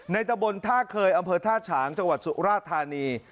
ตะบนท่าเคยอำเภอท่าฉางจังหวัดสุราธานี